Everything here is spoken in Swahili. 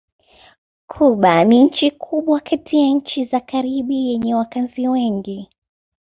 Kuba ni nchi kubwa kati ya nchi za Karibi yenye wakazi wengi.